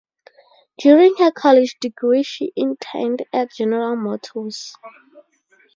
During her college degree she interned at General Motors.